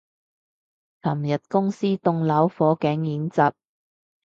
尋日公司棟樓火警演習